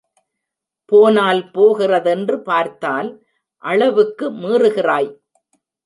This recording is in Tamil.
போனால் போகிறதென்று பார்த்தால் அளவுக்கு மீறுகிறாய்.